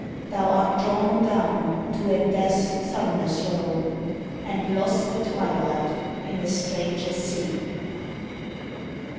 Thou art drawn down to where Death's thunders roll, And lost at twilight in a stranger sea.